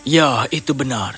ya itu benar